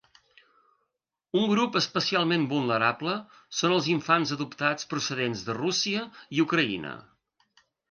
Un grup especialment vulnerable són els infants adoptats procedents de Rússia i Ucraïna.